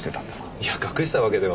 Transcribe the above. いや隠したわけでは。